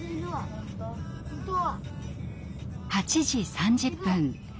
８時３０分